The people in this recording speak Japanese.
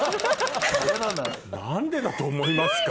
何でだと思いますか？